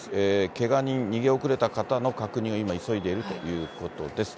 けが人、逃げ遅れた方の確認を今、急いでいるということです。